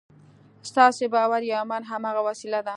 ستاسې باور یا ایمان هماغه وسیله ده